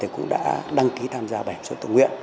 cũng đã đăng ký tham gia bảo hiểm xã hội tự nguyện